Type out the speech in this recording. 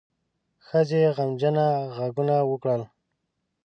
ښځې غمجنه غږونه وکړل.